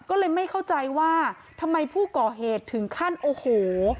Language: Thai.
ก็เลยไม่เข้าใจว่าทำไมผู้ก่อเหตุถึงขั้นโอ้โห